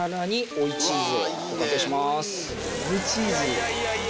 追いチーズ。